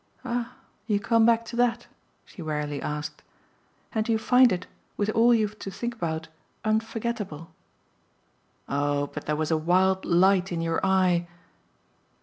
"Ah you come back to that?" she wearily asked. "And you find it, with all you've to think about, unforgettable?" "Oh but there was a wild light in your eye